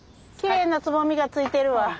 きれいなつぼみがついてるわ。